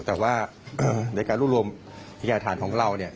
แต่ว่าในการร่วมพยายามฐานของเราเนี่ย